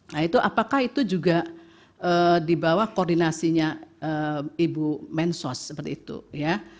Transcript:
nah itu apakah itu juga di bawah koordinasinya ibu mensos seperti itu ya